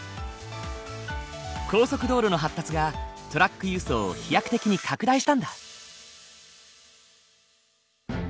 高速道路の発達がトラック輸送を飛躍的に拡大したんだ。